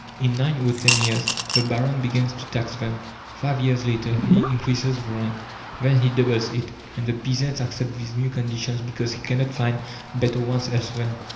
In nine or ten years the baron begins to tax them. Five years later he increases the rent. Then he doubles it, and the peasant accepts these new conditions because he cannot find better ones elsewhere.